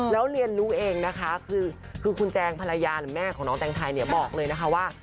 แล้วเรียนรู้เองนะคะคือคุณแจงภรรยาหรือแม่ของน้องแตงไทยเนี่ยบอกเลยนะคะว่า